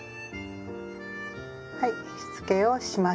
はいしつけをしました。